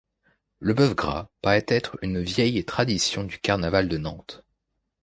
Le Bœuf Gras paraît être une vieille tradition du Carnaval de Nantes.